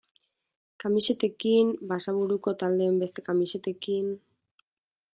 Kamisetekin, Basaburuko taldeen beste kamisetekin...